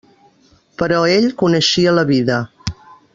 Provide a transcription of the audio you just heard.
Però ell coneixia la vida.